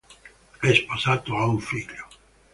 È sposato, ha un figlio.